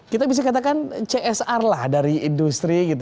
kita bisa katakan csr lah dari industri